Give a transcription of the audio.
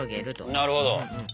なるほど。